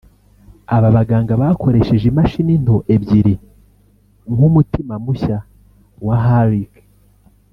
Aba baganga bakoresheje imashini nto ebyiri nk’umutima mushya wa Halik